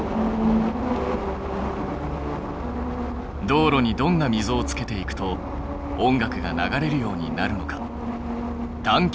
道路にどんなみぞをつけていくと音楽が流れるようになるのか探究せよ！